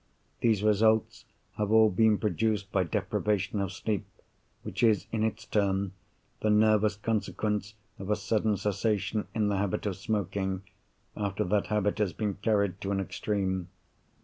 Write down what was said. These results have all been produced by deprivation of sleep, which is in its turn the nervous consequence of a sudden cessation in the habit of smoking, after that habit has been carried to an extreme.